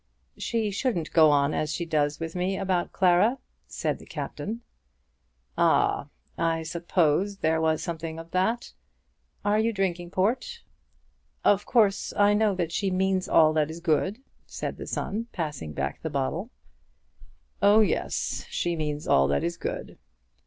"She shouldn't go on as she does with me about Clara," said the Captain. "Ah, I supposed there was something of that. Are you drinking port?" "Of course I know that she means all that is good," said the son, passing back the bottle. "Oh yes; she means all that is good."